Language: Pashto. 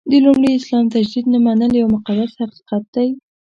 د لومړي اسلام تجدید نه منل یو مقدس حقیقت دی.